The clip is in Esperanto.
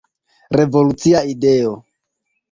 Revolucia ideo.